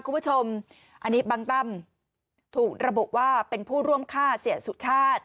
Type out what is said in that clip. คุณผู้ชมอันนี้บางตั้มถูกระบุว่าเป็นผู้ร่วมฆ่าเสียสุชาติ